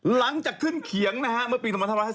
หลังจากขึ้นเขียงนะฮะเมื่อปี๒๕๕๙